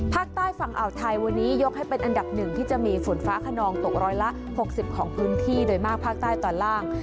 ภาคใต้ฝั่งอ่าวไทยวันนี้ยกให้เป็นอันดับหนึ่งที่จะมีฝนฟ้าขนองตกร้อยละ๖๐ของพื้นที่โดยมากภาคใต้ตอนล่าง